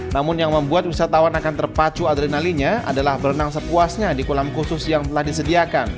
namun yang membuat wisatawan akan terpacu adrenalinnya adalah berenang sepuasnya di kolam khusus yang telah disediakan